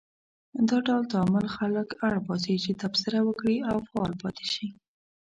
دا ډول تعامل خلک اړ باسي چې تبصره وکړي او فعال پاتې شي.